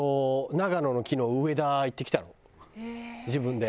長野の昨日上田行ってきたの自分で。